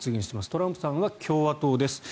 トランプさんは共和党です。